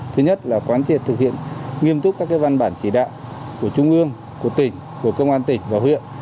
thứ nhất là quán triệt thực hiện nghiêm túc các văn bản chỉ đạo của trung ương của tỉnh của công an tỉnh và huyện